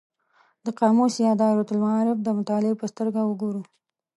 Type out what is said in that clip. د قاموس یا دایرة المعارف د مطالعې په سترګه وګورو.